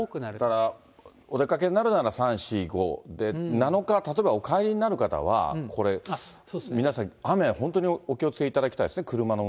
だから、お出かけになるなら、３、４、５で、７日、例えばお帰りになる方はこれ、皆さん、雨には本当にお気をつけいただきたいですね。